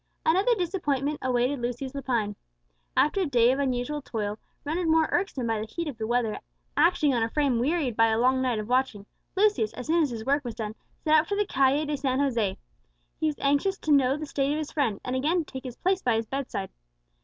Another disappointment awaited Lucius Lepine. After a day of unusual toil, rendered more irksome by the heat of the weather acting on a frame wearied by a long night of watching, Lucius, as soon as his work was done, set out for the Calle de San José. He was anxious to know the state of his friend, and again to take his place by his bedside.